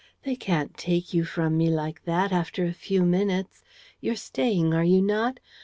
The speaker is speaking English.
They can't take you from me like that, after a few minutes? You're staying, are you not?